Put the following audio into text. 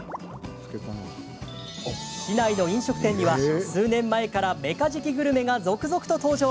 市内の飲食店には、数年前からメカジキグルメが続々と登場。